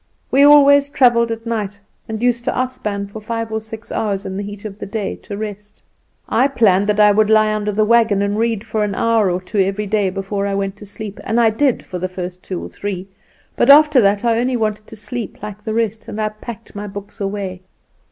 We always travelled all night, and used to outspan for five or six hours in the heat of the day to rest. I planned that I would lie under a wagon and read for an hour or two every day before I went to sleep, and I did for the first two or three; but after that I only wanted to sleep, like the rest, and I packed my books away.